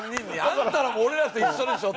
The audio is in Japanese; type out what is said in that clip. あんたらも俺らと一緒でしょ？